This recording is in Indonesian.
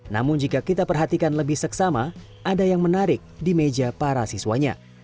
namun jika kita perhatikan lebih seksama ada yang menarik di meja para siswanya